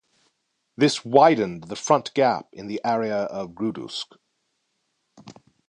This widened the front gap in the area of Grudusk.